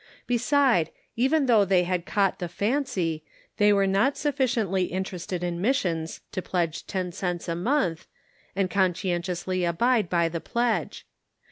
Beside, even though they had caught the fancy, they were not sufficiently interested in missions to pledge ten cents a month, and conscientiously abide by the pledge.